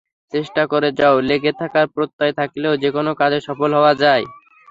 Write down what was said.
চেষ্টা করে যাওয়া, লেগে থাকার প্রত্যয় থাকলেই যেকোনো কাজে সফল হওয়া যায়।